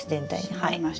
湿りました。